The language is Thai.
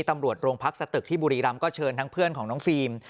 ตำรวจโรงพักสตึกที่บุรีรำก็เชิญทั้งเพื่อนของน้องฟิล์ม